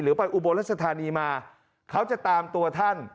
ไปอุบลรัชธานีมาเขาจะตามตัวท่าน